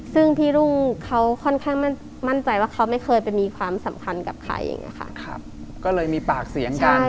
ซึ่งพี่ลุงเขาค่อนข้างมั่นใจว่าเขาไม่เคยไปมีความสำคัญกับใครเองค่ะ